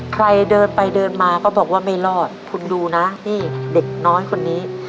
ใครเดินไปเดินมาก็บอกว่าไม่รอดคุณดูนะนี่เด็กน้อยคนนี้